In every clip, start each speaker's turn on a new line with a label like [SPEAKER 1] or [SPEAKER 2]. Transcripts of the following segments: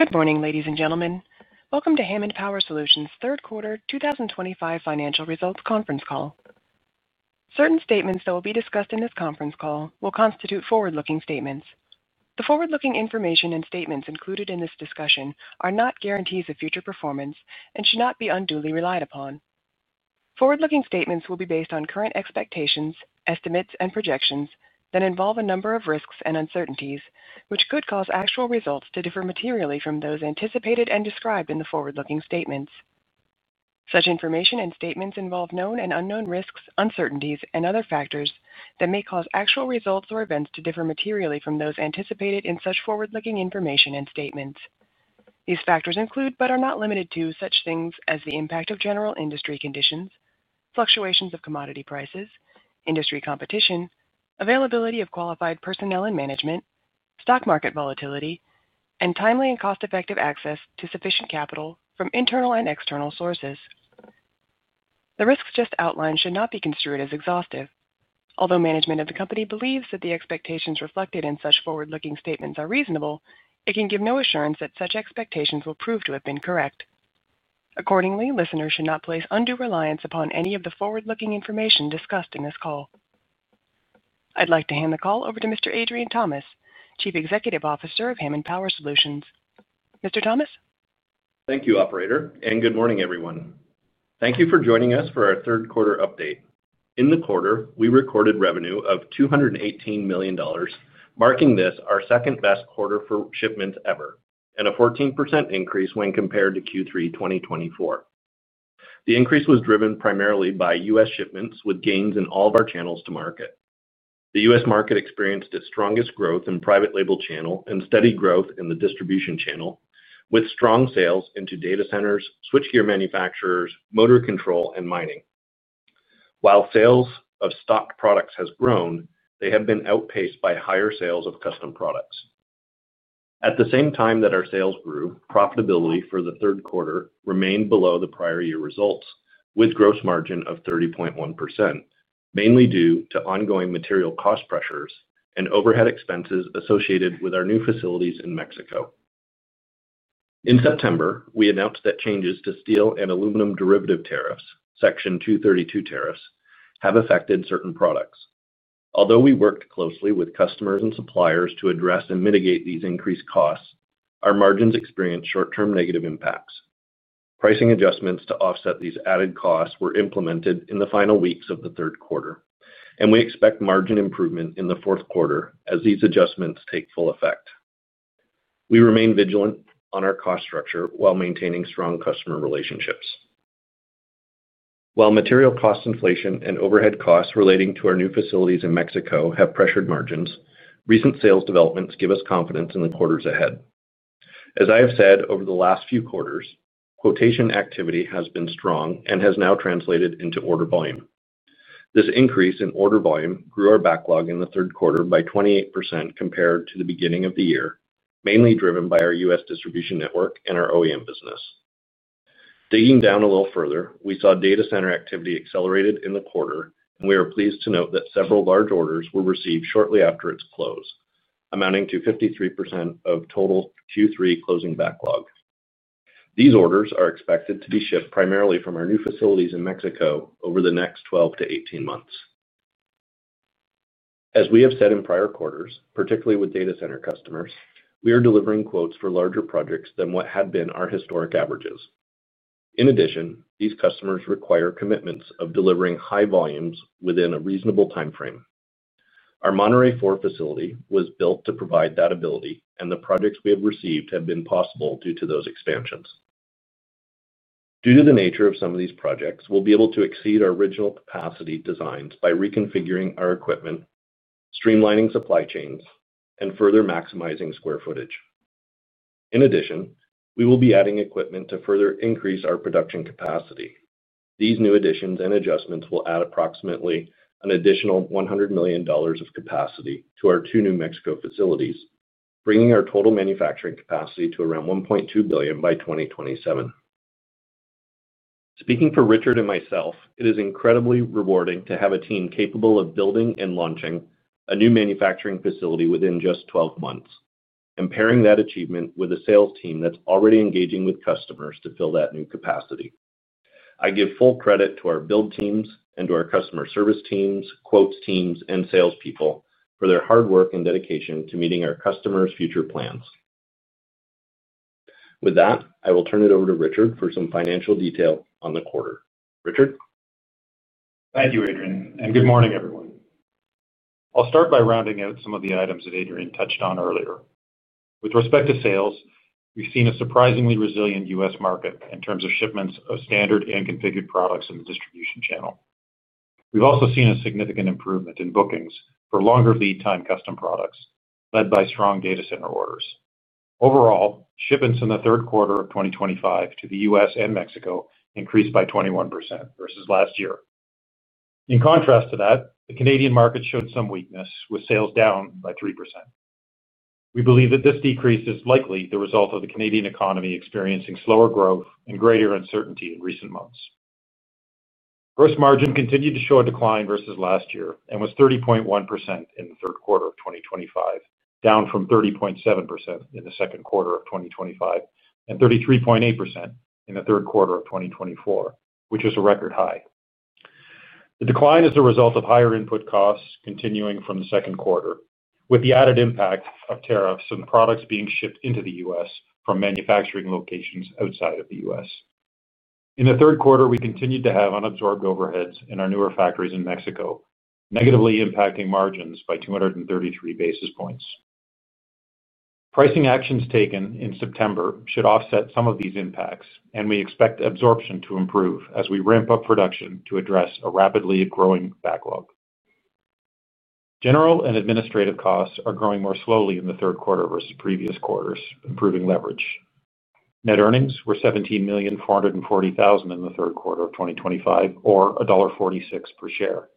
[SPEAKER 1] Good morning, ladies and gentlemen. Welcome to Hammond Power Solutions' third quarter 2025 financial results conference call. Certain statements that will be discussed in this conference call will constitute forward-looking statements. The forward-looking information and statements included in this discussion are not guarantees of future performance and should not be unduly relied upon. Forward-looking statements will be based on current expectations, estimates, and projections that involve a number of risks and uncertainties, which could cause actual results to differ materially from those anticipated and described in the forward-looking statements. Such information and statements involve known and unknown risks, uncertainties, and other factors that may cause actual results or events to differ materially from those anticipated in such forward-looking information and statements. These factors include, but are not limited to, such things as the impact of general industry conditions, fluctuations of commodity prices, industry competition, availability of qualified personnel and management, stock market volatility, and timely and cost-effective access to sufficient capital from internal and external sources. The risks just outlined should not be construed as exhaustive. Although management of the company believes that the expectations reflected in such forward-looking statements are reasonable, it can give no assurance that such expectations will prove to have been correct. Accordingly, listeners should not place undue reliance upon any of the forward-looking information discussed in this call. I'd like to hand the call over to Mr. Adrian Thomas, Chief Executive Officer of Hammond Power Solutions. Mr. Thomas?
[SPEAKER 2] Thank you, Operator, and good morning, everyone. Thank you for joining us for our third quarter update. In the quarter, we recorded revenue of $218 million, marking this our second-best quarter for shipments ever, and a 14% increase when compared to Q3 2024. The increase was driven primarily by U.S. shipments, with gains in all of our channels to market. The U.S. market experienced its strongest growth in private label channel and steady growth in the distribution channel, with strong sales into data centers, switchgear manufacturers, motor control, and mining. While sales of stock products have grown, they have been outpaced by higher sales of custom products. At the same time that our sales grew, profitability for the third quarter remained below the prior year results, with a gross margin of 30.1%, mainly due to ongoing material cost pressures and overhead expenses associated with our new facilities in Mexico. In September, we announced that changes to steel and aluminum derivative tariffs, Section 232 tariffs, have affected certain products. Although we worked closely with customers and suppliers to address and mitigate these increased costs, our margins experienced short-term negative impacts. Pricing adjustments to offset these added costs were implemented in the final weeks of the third quarter, and we expect margin improvement in the fourth quarter as these adjustments take full effect. We remain vigilant on our cost structure while maintaining strong customer relationships. While material cost inflation and overhead costs relating to our new facilities in Mexico have pressured margins, recent sales developments give us confidence in the quarters ahead. As I have said, over the last few quarters, quotation activity has been strong and has now translated into order volume. This increase in order volume grew our backlog in the third quarter by 28% compared to the beginning of the year, mainly driven by our U.S. distribution network and our OEM business. Digging down a little further, we saw data center activity accelerated in the quarter, and we are pleased to note that several large orders were received shortly after its close, amounting to 53% of total Q3 closing backlog. These orders are expected to be shipped primarily from our new facilities in Mexico over the next 12-18 months. As we have said in prior quarters, particularly with data center customers, we are delivering quotes for larger projects than what had been our historic averages. In addition, these customers require commitments of delivering high volumes within a reasonable timeframe. Our Monterrey IV facility was built to provide that ability, and the projects we have received have been possible due to those expansions. Due to the nature of some of these projects, we'll be able to exceed our original capacity designs by reconfiguring our equipment, streamlining supply chains, and further maximizing square footage. In addition, we will be adding equipment to further increase our production capacity. These new additions and adjustments will add approximately an additional $100 million of capacity to our two Mexico facilities, bringing our total manufacturing capacity to around $1.2 billion by 2027. Speaking for Richard and myself, it is incredibly rewarding to have a team capable of building and launching a new manufacturing facility within just 12 months, and pairing that achievement with a sales team that's already engaging with customers to fill that new capacity. I give full credit to our build teams and to our customer service teams, quotes teams, and salespeople for their hard work and dedication to meeting our customers' future plans. With that, I will turn it over to Richard for some financial detail on the quarter. Richard?
[SPEAKER 3] Thank you, Adrian, and good morning, everyone. I'll start by rounding out some of the items that Adrian touched on earlier. With respect to sales, we've seen a surprisingly resilient U.S. market in terms of shipments of standard and configured products in the distribution channel. We've also seen a significant improvement in bookings for longer lead time custom products led by strong data center orders. Overall, shipments in the third quarter of 2025 to the U.S. and Mexico increased by 21% versus last year. In contrast to that, the Canadian market showed some weakness, with sales down by 3%. We believe that this decrease is likely the result of the Canadian economy experiencing slower growth and greater uncertainty in recent months. Gross margin continued to show a decline versus last year and was 30.1% in the third quarter of 2025, down from 30.7% in the second quarter of 2025 and 33.8% in the third quarter of 2024, which is a record high. The decline is the result of higher input costs continuing from the second quarter, with the added impact of tariffs and products being shipped into the U.S. from manufacturing locations outside of the U.S. In the third quarter, we continued to have unabsorbed overheads in our newer factories in Mexico, negatively impacting margins by 233 basis points. Pricing actions taken in September should offset some of these impacts, and we expect absorption to improve as we ramp up production to address a rapidly growing backlog. General and administrative costs are growing more slowly in the third quarter versus previous quarters, improving leverage. Net earnings were $17,440,000 in the third quarter of 2025, or $1.46 per share.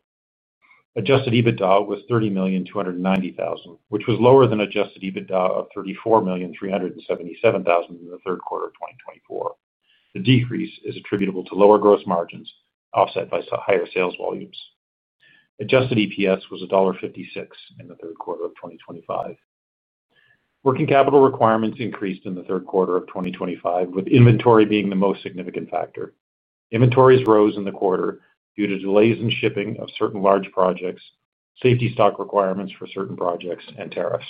[SPEAKER 3] Adjusted EBITDA was $30,290,000, which was lower than adjusted EBITDA of $34,377,000 in the third quarter of 2024. The decrease is attributable to lower gross margins offset by higher sales volumes. Adjusted EPS was $1.56 in the third quarter of 2025. Working capital requirements increased in the third quarter of 2025, with inventory being the most significant factor. Inventories rose in the quarter due to delays in shipping of certain large projects, safety stock requirements for certain projects, and tariffs.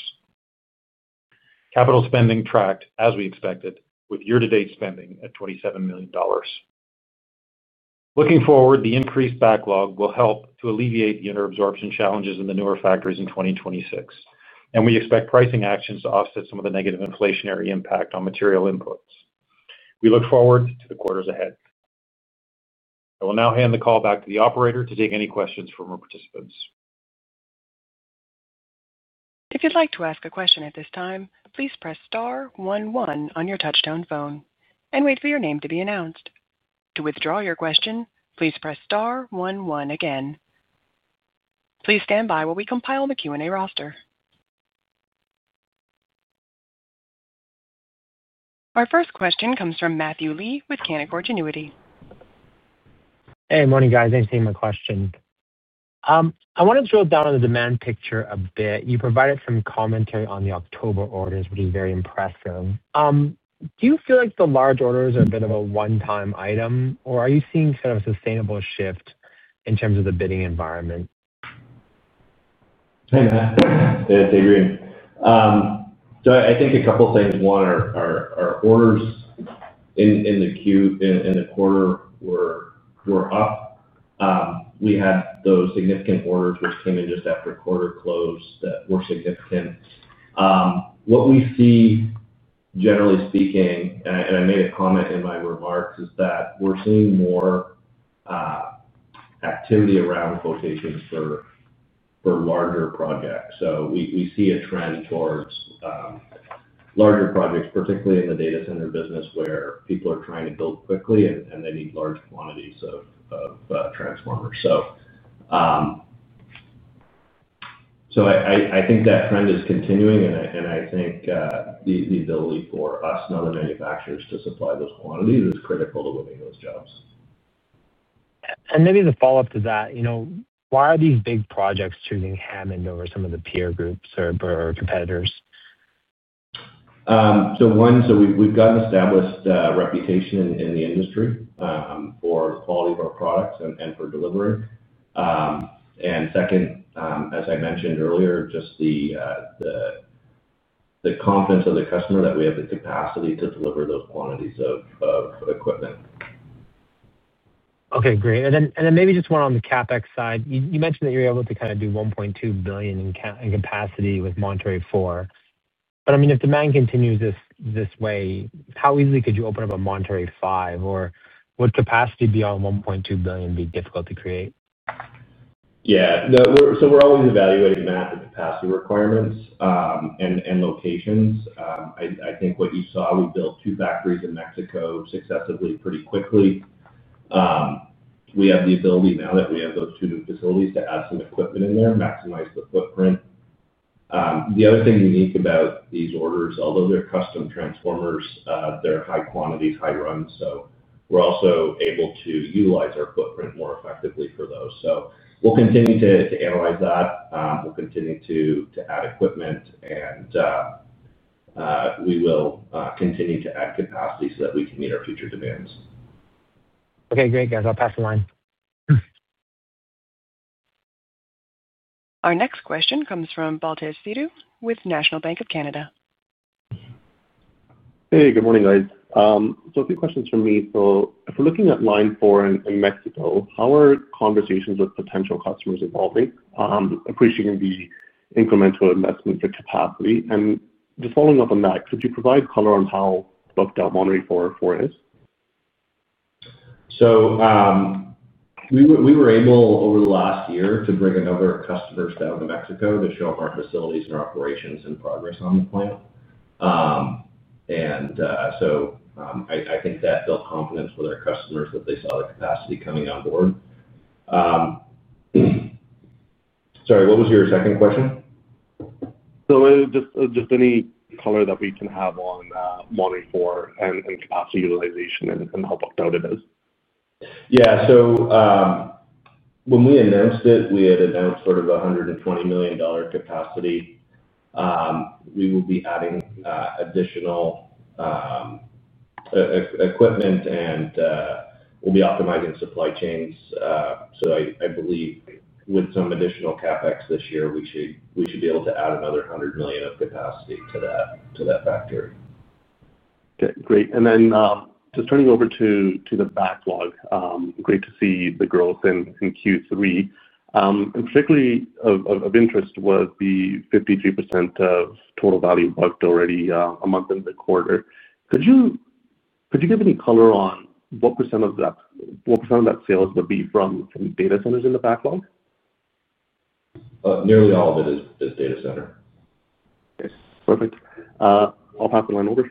[SPEAKER 3] Capital spending tracked as we expected, with year-to-date spending at $27 million. Looking forward, the increased backlog will help to alleviate the inter-absorption challenges in the newer factories in 2026, and we expect pricing actions to offset some of the negative inflationary impact on material inputs. We look forward to the quarters ahead.I will now hand the call back to the Operator to take any questions from our participants.
[SPEAKER 1] If you'd like to ask a question at this time, please press star one one on your touchtone phone and wait for your name to be announced. To withdraw your question, please press star one one again. Please stand by while we compile the Q&A roster. Our first question comes from Matthew Lee with Canaccord Genuity.
[SPEAKER 4] Hey, morning guys. Thanks for taking my question. I want to drill down on the demand picture a bit. You provided some commentary on the October orders, which is very impressive. Do you feel like the large orders are a bit of a one-time item, or are you seeing sort of a sustainable shift in terms of the bidding environment?
[SPEAKER 5] Yeah, David. I think a couple of things. One, our orders in the quarter were up. We had those significant orders which came in just after quarter close that were significant. What we see, generally speaking, and I made a comment in my remarks, is that we're seeing more activity around quotations for larger projects. We see a trend towards larger projects, particularly in the data center business where people are trying to build quickly and they need large quantities of transformers. I think that trend is continuing, and I think the ability for us, not the manufacturers, to supply those quantities is critical to winning those jobs.
[SPEAKER 4] Maybe the follow-up to that, you know, why are these big projects choosing Hammond over some of the peer groups or competitors?
[SPEAKER 5] We have an established reputation in the industry for the quality of our products and for delivery. Second, as I mentioned earlier, just the confidence of the customer that we have the capacity to deliver those quantities of equipment.
[SPEAKER 4] Okay, great. Maybe just one on the CapEx side. You mentioned that you're able to kind of do $1.2 billion in capacity with Monterrey IV. If demand continues this way, how easily could you open up a Monterrey V, or would capacity beyond $1.2 billion be difficult to create?
[SPEAKER 5] Yeah, so we're always evaluating that, the capacity requirements and locations. I think what you saw, we built two factories in Mexico successively pretty quickly. We have the ability now that we have those two new facilities to add some equipment in there, maximize the footprint. The other thing unique about these orders, although they're custom dry-type transformers, they're high quantities, high runs, so we're also able to utilize our footprint more effectively for those. We'll continue to analyze that. We'll continue to add equipment, and we will continue to add capacity so that we can meet our future demands.
[SPEAKER 4] Okay, great, guys. I'll pass the line.
[SPEAKER 1] Our next question comes from Baltej Sidhu with National Bank of Canada.
[SPEAKER 6] Good morning, guys. A few questions from me. If we're looking at line four in Mexico, how are conversations with potential customers evolving, appreciating the incremental investment for capacity? Just following up on that, could you provide color on how booked up Monterrey IV is?
[SPEAKER 5] Over the last year, we were able to bring a number of customers down to Mexico to show our facilities, our operations, and progress on the plant. I think that built confidence with our customers that they saw the capacity coming on board. Sorry, what was your second question?
[SPEAKER 6] Is there any color that we can have on Monterrey IV and capacity utilization and how booked out it is?
[SPEAKER 5] Yeah, when we announced it, we had announced sort of $120 million capacity. We will be adding additional equipment, and we'll be optimizing supply chains. I believe with some additional CapEx this year, we should be able to add another $100 million of capacity to that factory.
[SPEAKER 6] Okay, great. Turning over to the backlog, great to see the growth in Q3. Particularly of interest was the 53% of total value booked already a month into the quarter. Could you give any color on what % of that sales would be from data centers in the backlog?
[SPEAKER 5] Nearly all of it is data center.
[SPEAKER 6] Okay, perfect. I'll pass the line over.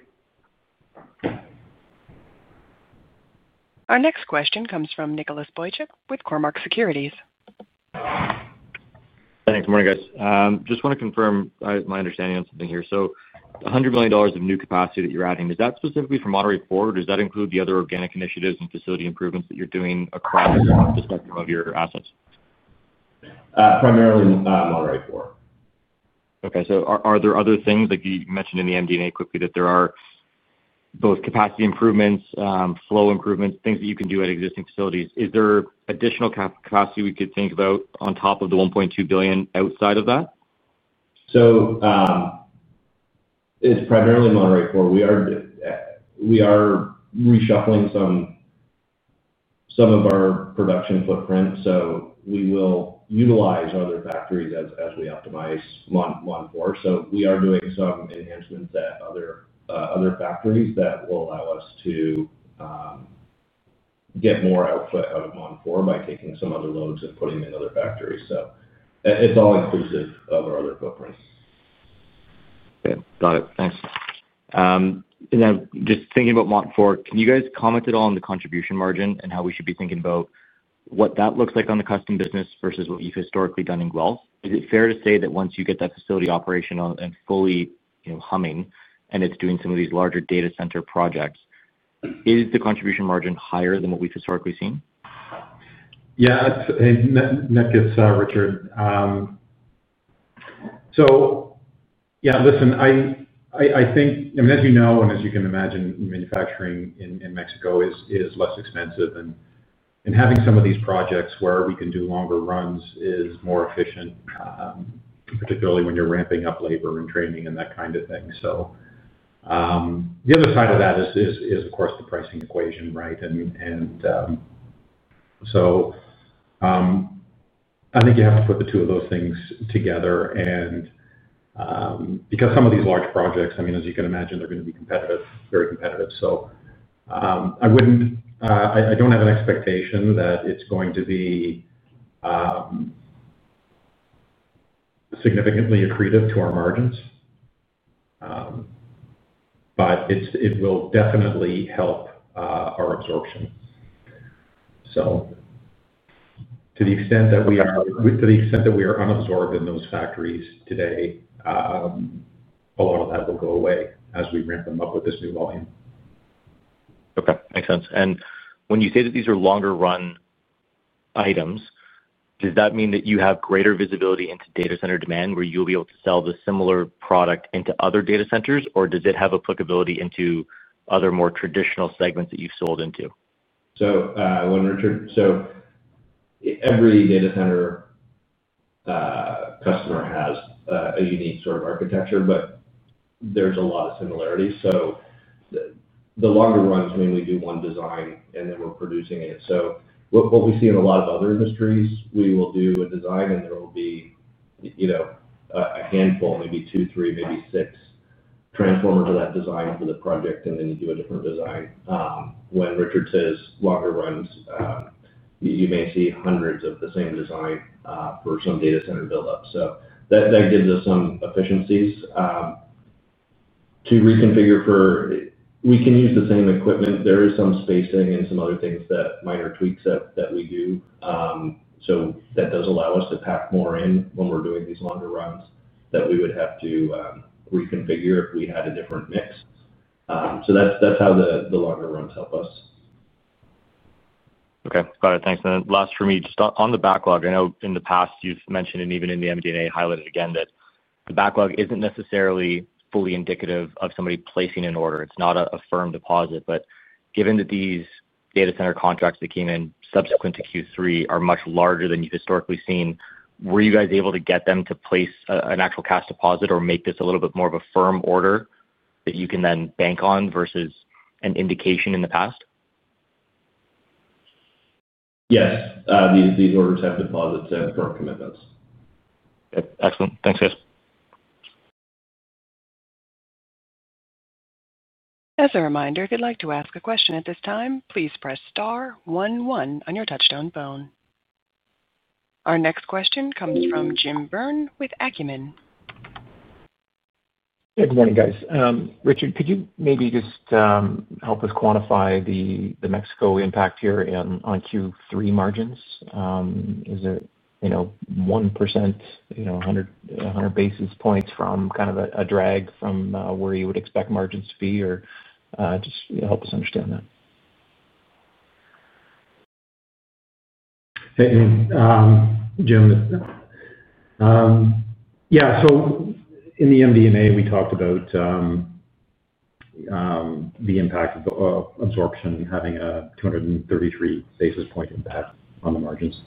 [SPEAKER 1] Our next question comes from Nicholas Boychuk with Cormark Securities.
[SPEAKER 7] Thanks. Good morning, guys. Just want to confirm my understanding of something here. $100 million of new capacity that you're adding, is that specifically for Monterrey IV, or does that include the other organic initiatives and facility improvements that you're doing across the spectrum of your assets?
[SPEAKER 5] Primarily Monterrey IV.
[SPEAKER 7] Okay, are there other things, like you mentioned in the MD&A quickly, that there are both capacity improvements, flow improvements, things that you can do at existing facilities? Is there additional capacity we could think about on top of the $1.2 billion outside of that?
[SPEAKER 5] It is primarily Monterrey IV. We are reshuffling some of our production footprint, so we will utilize other factories as we optimize Monterrey IV. We are doing some enhancements at other factories that will allow us to get more output out of Monterrey IV by taking some other loads and putting them in other factories. It is all inclusive of our other footprint.
[SPEAKER 7] Okay, got it. Thanks. Just thinking about Monterrey IV, can you guys comment at all on the contribution margin and how we should be thinking about what that looks like on the custom business versus what you've historically done in growth? Is it fair to say that once you get that facility operational and fully humming and it's doing some of these larger data center projects, is the contribution margin higher than what we've historically seen?
[SPEAKER 3] Yeah, that's a net gift, Richard. I think, as you know, and as you can imagine, manufacturing in Mexico is less expensive. Having some of these projects where we can do longer runs is more efficient, particularly when you're ramping up labor and training and that kind of thing. The other side of that is, of course, the pricing equation, right? I think you have to put the two of those things together. Because some of these large projects, as you can imagine, they're going to be competitive, very competitive. I wouldn't, I don't have an expectation that it's going to be significantly accretive to our margins, but it will definitely help our absorption. To the extent that we are unabsorbed in those factories today, a lot of that will go away as we ramp them up with this new volume.
[SPEAKER 7] Okay, makes sense. When you say that these are longer run items, does that mean that you have greater visibility into data center demand where you'll be able to sell the similar product into other data centers, or does it have applicability into other more traditional segments that you've sold into?
[SPEAKER 5] When Richard, every data center customer has a unique sort of architecture, but there's a lot of similarities. The longer runs, I mean, we do one design and then we're producing it. What we see in a lot of other industries, we will do a design and there will be, you know, a handful, maybe two, three, maybe six transformers of that design for the project, and then you do a different design. When Richard says longer runs, you may see hundreds of the same design for some data center buildup. That gives us some efficiencies to reconfigure for. We can use the same equipment. There is some spacing and some other things, minor tweaks that we do. That does allow us to pack more in when we're doing these longer runs that we would have to reconfigure if we had a different mix. That's how the longer runs help us.
[SPEAKER 7] Okay, got it. Thanks. Last for me, just on the backlog, I know in the past you've mentioned, and even in the MD&A highlighted again, that the backlog isn't necessarily fully indicative of somebody placing an order. It's not a firm deposit. Given that these data center contracts that came in subsequent to Q3 are much larger than you've historically seen, were you guys able to get them to place an actual cash deposit or make this a little bit more of a firm order that you can then bank on versus an indication in the past?
[SPEAKER 5] Yes, these orders have deposits and firm commitments.
[SPEAKER 7] Okay, excellent. Thanks, guys.
[SPEAKER 1] As a reminder, if you'd like to ask a question at this time, please press star one one on your touchtone phone. Our next question comes from Jim Byrne with Acumen Capital.
[SPEAKER 8] Good morning, guys. Richard, could you maybe just help us quantify the Mexico impact here on Q3 margins? Is it, you know, 1%, 100 basis points from kind of a drag from where you would expect margins to be, or just help us understand that.
[SPEAKER 3] Yeah, so in the MD&A, we talked about the impact of absorption, having a 2.33% basis point impact on the margins.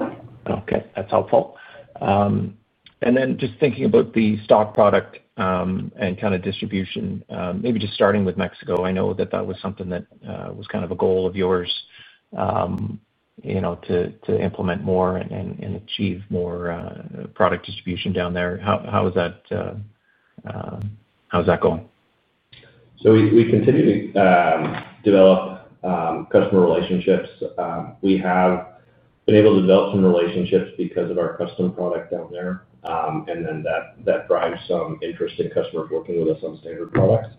[SPEAKER 8] Okay, that's helpful. Just thinking about the stock product and kind of distribution, maybe just starting with Mexico, I know that that was something that was kind of a goal of yours, you know, to implement more and achieve more product distribution down there. How is that going?
[SPEAKER 5] We continue to develop customer relationships. We have been able to develop some relationships because of our custom product down there, and that drives some interest in customers working with us on standard products.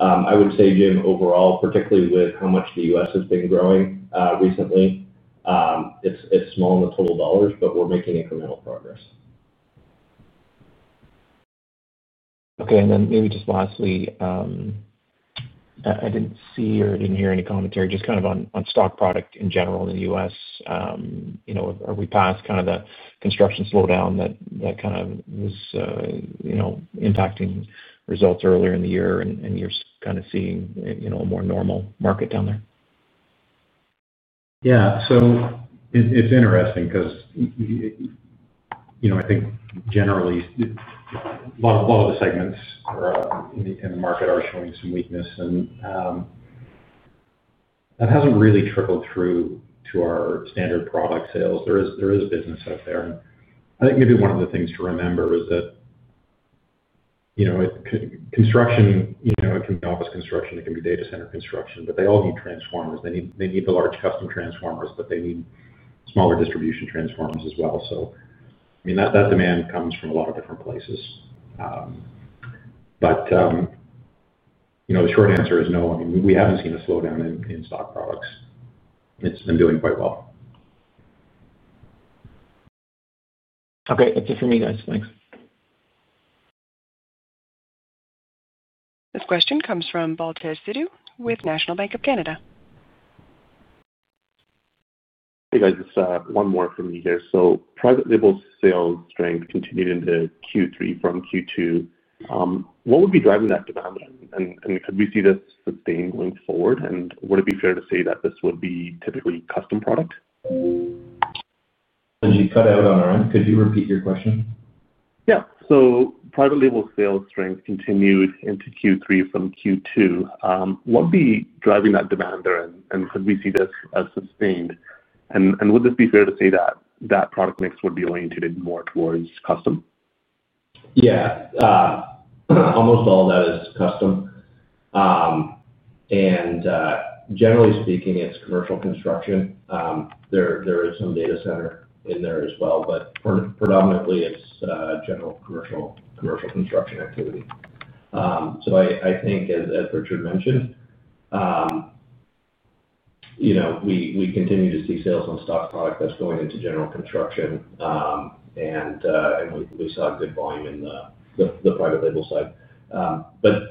[SPEAKER 5] I would say, Jim, overall, particularly with how much the U.S. has been growing recently, it's small in the total dollars, but we're making incremental progress.
[SPEAKER 8] Okay, and then maybe just lastly, I didn't see or didn't hear any commentary just kind of on stock products in general in the U.S. You know, are we past kind of the construction slowdown that was impacting results earlier in the year and you're kind of seeing a more normal market down there?
[SPEAKER 4] Yeah, it's interesting because, you know, I think generally a lot of the segments in the market are showing some weakness, and that hasn't really trickled through to our standard product sales. There is business out there. I think maybe one of the things to remember is that construction, you know, it can be office construction, it can be data center construction, but they all need transformers. They need the large custom transformers, but they need smaller distribution transformers as well. That demand comes from a lot of different places. The short answer is no. I mean, we haven't seen a slowdown in stock products. It's been doing quite well.
[SPEAKER 8] Okay, that's it for me, guys. Thanks.
[SPEAKER 1] This question comes from Baltej Sidhu with National Bank of Canada.
[SPEAKER 6] Hey guys, just one more for me here. Private label sales strength continued into Q3 from Q2. What would be driving that demand, could we see this sustained going forward, and would it be fair to say that this would be typically custom product?
[SPEAKER 5] You cut out on that. Could you repeat your question?
[SPEAKER 6] Yeah, private label sales strength continued into Q3 from Q2. What would be driving that demand there, and could we see this as sustained? Would this be fair to say that that product mix would be oriented more towards custom?
[SPEAKER 5] Yeah, almost all of that is custom. Generally speaking, it's commercial construction. There is some data center in there as well, but predominantly it's general commercial construction activity. I think, as Richard mentioned, you know, we continue to see sales on stock product that's going into general construction, and we saw a good volume in the private label side.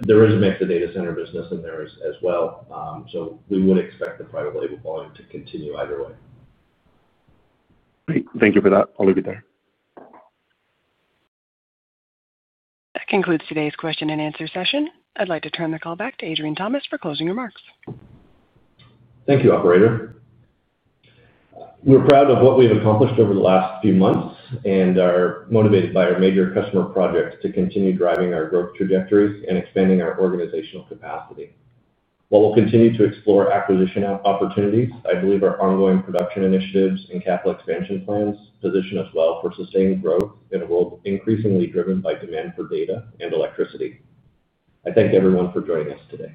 [SPEAKER 5] There is a mix of data center business in there as well. We would expect the private label volume to continue either way.
[SPEAKER 6] Great, thank you for that. I'll leave it there.
[SPEAKER 1] That concludes today's question and answer session. I'd like to turn the call back to Adrian Thomas for closing remarks.
[SPEAKER 2] Thank you, Operator. We're proud of what we've accomplished over the last few months and are motivated by our major customer projects to continue driving our growth trajectory and expanding our organizational capacity. While we'll continue to explore acquisition opportunities, I believe our ongoing production initiatives and capital expansion plans position us well for sustained growth in a world increasingly driven by demand for data and electricity. I thank everyone for joining us today.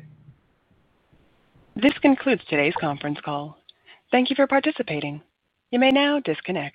[SPEAKER 1] This concludes today's conference call. Thank you for participating. You may now disconnect.